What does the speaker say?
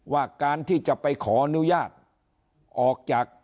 ว่าการที่จะไปขออนุญาตออกจาก